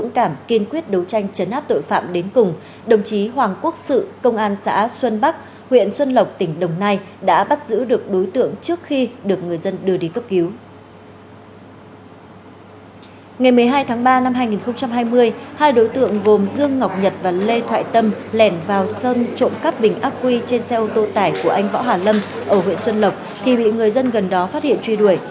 ngày một mươi hai tháng ba năm hai nghìn hai mươi hai đối tượng gồm dương ngọc nhật và lê thoại tâm lẻn vào sân trộm cắp bình ác quy trên xe ô tô tải của anh võ hà lâm ở huyện xuân lộc thì bị người dân gần đó phát hiện truy đuổi